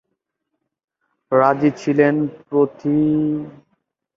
রাজী ছিলেন প্রথিতযশা ব্যঙ্গ রসাত্মক বক্তা এবং বিরল প্রতিভার অধিকারী আইন বিশারদ।